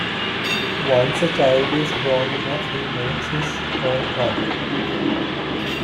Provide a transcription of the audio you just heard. Once a child is grown enough, he makes his own hut.